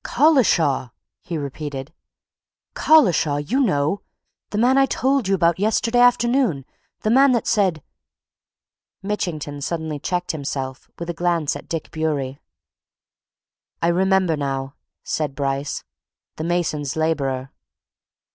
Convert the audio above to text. "Collishaw!" he repeated. "Collishaw, you know! The man I told you about yesterday afternoon. The man that said " Mitchington suddenly checked himself, with a glance at Dick Bewery. "I remember now," said Bryce. "The mason's labourer!